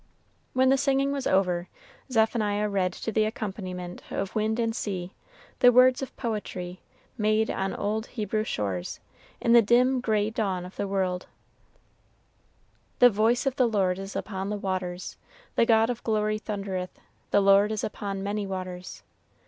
When the singing was over, Zephaniah read to the accompaniment of wind and sea, the words of poetry made on old Hebrew shores, in the dim, gray dawn of the world: "The voice of the Lord is upon the waters; the God of glory thundereth; the Lord is upon many waters.